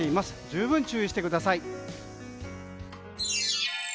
十分注意してください。